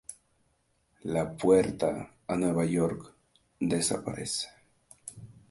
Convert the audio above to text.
La puerta a Nueva York desaparece.